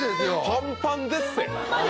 パンパンでっせ！